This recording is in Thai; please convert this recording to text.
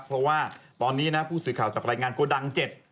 เพราะว่าตอนนี้นะผู้สื่อข่าวจากรายงานโกดัง๗